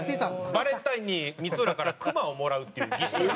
バレンタインに光浦からクマをもらうっていう儀式が。